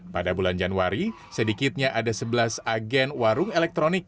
pada bulan januari sedikitnya ada sebelas agen warung elektronik